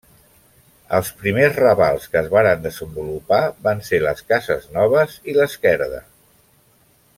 Els primers ravals que es varen desenvolupar van ser les Cases Noves i l'Esquerda.